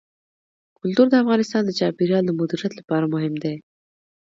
کلتور د افغانستان د چاپیریال د مدیریت لپاره مهم دي.